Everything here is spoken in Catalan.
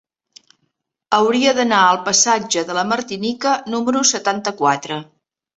Hauria d'anar al passatge de la Martinica número setanta-quatre.